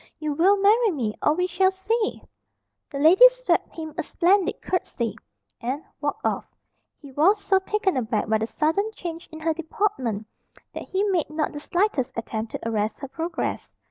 You will marry me, or we shall see!" The lady swept him a splendid curtsey, and walked off. He was so taken aback by the sudden change in her deportment that he made not the slightest attempt to arrest her progress.